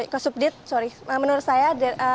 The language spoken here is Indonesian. kasubdit sorry menurut saya